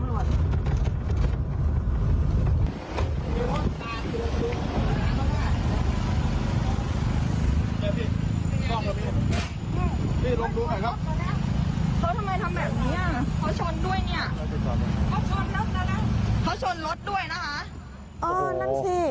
โอ้โหนั่นสิ